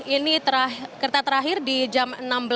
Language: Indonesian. ini kereta terakhir di jam enam belas empat puluh sembilan